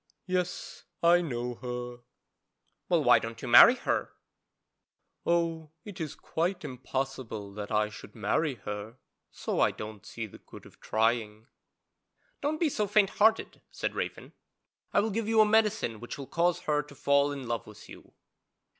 'Yes, I know her.' 'Well, why don't you marry her?' 'Oh, it is quite impossible that I should marry her, so I don't see the good of trying.' 'Don't be so faint hearted,' said Raven, 'I will give you a medicine which will cause her to fall in love with you.'